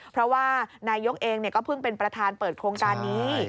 เพราะว่านายกเองก็เพิ่งเป็นประธานเปิดโครงการนี้